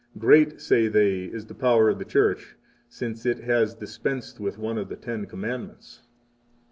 Great, say they, is the power of the Church, since it has dispensed with one of the Ten Commandments!